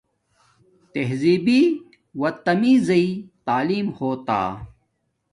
تہزبی و تمیزی تعیلم ہوتا